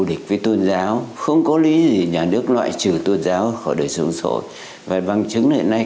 địch với tôn giáo không có lý gì nhà nước loại trừ tôn giáo khỏi đời sống sổ và bằng chứng hiện nay